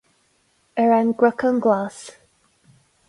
Ar an gCnocán Glas.